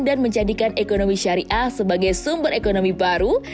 dan menjadikan ekonomi syariah sebagai sumber ekonomi baru